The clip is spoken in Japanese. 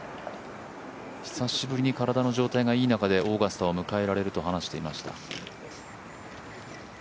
久しぶりに体の状態がいい中でオーガスタを迎えられると話していました。